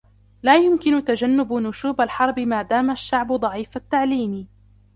لا يمكن تجنب نشوب الحروب مادام الشعب ضعيف التعليم